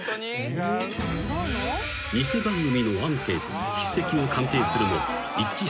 ［偽番組のアンケートで筆跡を鑑定するも一致せず］